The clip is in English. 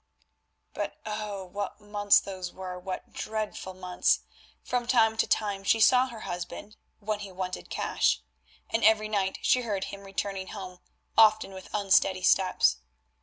But oh! what months those were, what dreadful months! From time to time she saw her husband—when he wanted cash—and every night she heard him returning home, often with unsteady steps.